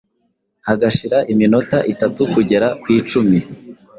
hagashira iminota itatu kugera ku icumi ,